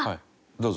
どうぞ。